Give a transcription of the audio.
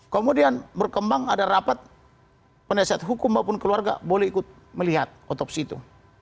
kemudian berkembang ada rapat penasehat hukum maupun keluarga boleh ikut melihat otopsi itu